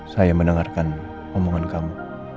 saya mendengarkan omongan kamu